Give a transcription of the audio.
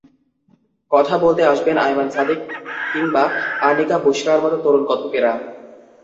কথা বলতে আসবেন আয়মান সাদিক কিংবা আনিকা বুশরার মতো তরুণ কথকেরা।